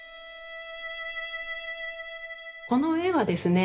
この絵はですね